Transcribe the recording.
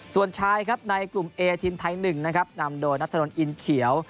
ส่วนชายครับในกลุ่มเอทินไทยหนึ่งนะครับนำโดนนัทธนตรีนเขียว